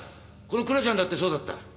この倉ちゃんだってそうだった。